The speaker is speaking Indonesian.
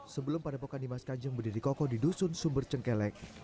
sebelum padepokan dimas kanjeng berdiri kokoh di dusun sumber cengkelek